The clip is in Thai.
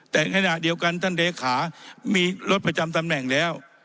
แต่ขณะเดียวกันท่านเลขามีรถประจำตำแหน่งแล้ว